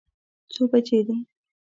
څو بجې دي؟